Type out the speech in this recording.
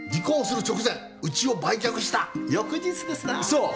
そう！